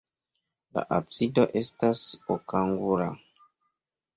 La absido estas okangula.